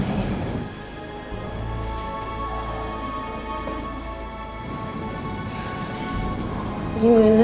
sehingga aku kuat malam